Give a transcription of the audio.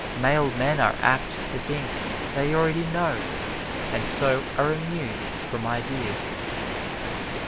Male men are apt to think they already know and so are immune from ideas.